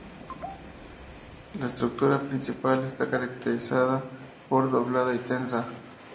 La estructura principal está caracterizada por estar "doblada y tensa".